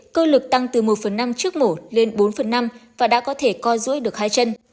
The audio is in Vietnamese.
cơ lực tăng từ một phần năm trước mổ lên bốn phần năm và đã có thể co rũi được hai chân